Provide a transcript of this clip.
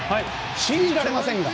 信じられませんが。